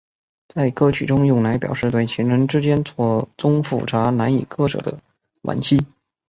在歌曲中用来表示对情人之间错综复杂难以割舍的惋惜。